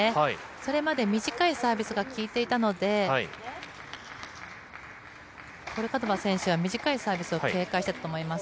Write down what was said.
それまで短いサービスが効いていたので、ポルカノバ選手は短いサービスを警戒していたと思います。